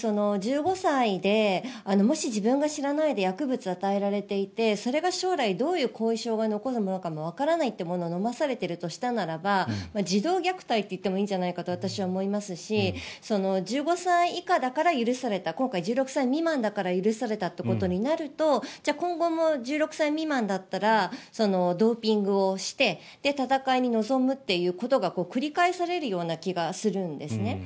１５歳でもし自分が知らないで薬物を与えられていてそれが将来、どういう後遺症が残るかわからないものを飲まされているとしたならば児童虐待といってもいいんじゃないかと私は思いますし１５歳以下だから許された、今回１６歳未満だから許されたということになると今後も１６歳未満だったらドーピングをして戦いに臨むということが繰り返されるような気がするんです。